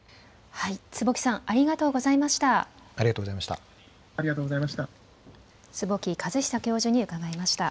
坪木さん、ありがとうございました。